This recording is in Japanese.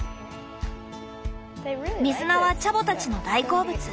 水菜はチャボたちの大好物。